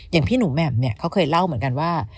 อย่างพี่หนูแหม่มเนี่ยเขาเคยเล่าเหมือนกันว่า